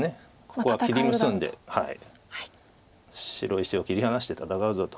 ここは切り結んで白石を切り離して戦うぞと。